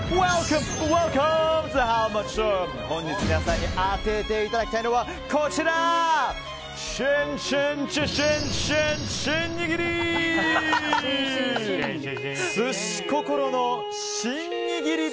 本日皆さんに当てていただきたいのはシンシンシシン、シン握り！